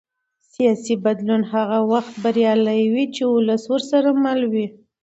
سیاسي بدلون هغه وخت بریالی وي چې ولس ورسره مل وي